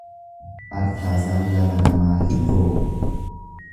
Arfaasaan lama namaa hirroobu.